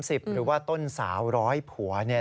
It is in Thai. ต้น๓๐หรือว่าต้นสาวร้อยผัว